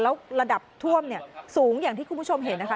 แล้วระดับท่วมสูงอย่างที่คุณผู้ชมเห็นนะคะ